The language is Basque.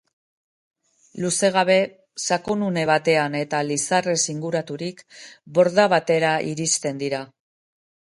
Luze gabe, sakonune batean eta lizarrez inguraturik, borda batera iristen dira.